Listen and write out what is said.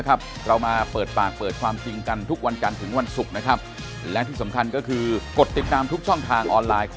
เขามาปุ๊บเขาก็เดินแบบหน้าแดงออกมาเลยทำเหมือนคนจะร้องไห้